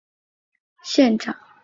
他曾经担任拿索县的县长。